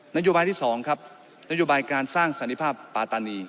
นโยบายที่๒ครับนโยบายการสร้างสันติภาพปาตานี